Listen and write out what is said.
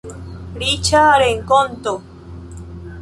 Riĉa renkonto.